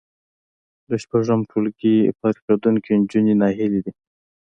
له شپږم ټولګي فارغېدونکې نجونې ناهیلې دي